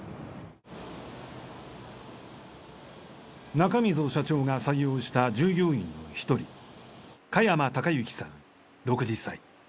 中溝社長が採用した従業員の一人加山貴之さん６０歳。